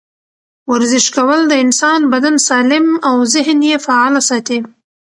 ورزش کول د انسان بدن سالم او ذهن یې فعاله ساتي.